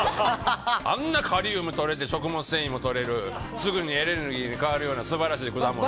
あんなカリウムとれて食物繊維もとれるすぐにエネルギーに変わるような素晴らしい果物。